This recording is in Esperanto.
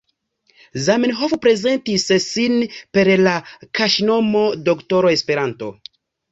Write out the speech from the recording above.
Zamenhof, prezentis sin per la kaŝnomo Doktoro Esperanto.